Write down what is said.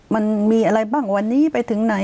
มันมีอะไรบ้างวันนี้ไปถึงไหน